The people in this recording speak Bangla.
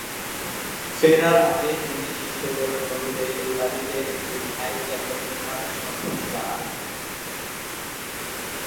ফেরার আগে তিনি শিষ্যদের অনুরোধে এই বাড়িতে একটি স্থায়ী কেন্দ্র নির্মাণে সম্মতি জানান।